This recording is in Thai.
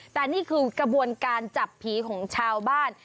แต่นี่คือกระบวนการจับผีของชาวบ้าน